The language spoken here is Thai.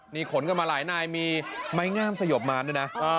นี่ขนกันมาหลายนายมีไม้งามสยบมารด้วยนะ